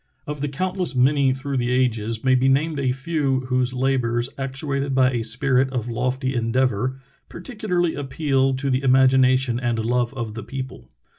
Of the countless many through the ages may be named a few whose labors, actuated by a spirit of lofty endeavor, particularly appeal to the imagina tion and love of the people.